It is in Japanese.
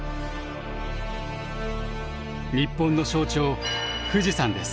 日本の象徴富士山です。